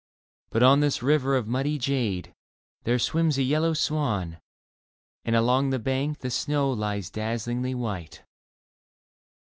But on this river of muddy jade There swims a yellow swan, And along the bank the snow lies dazlingly white.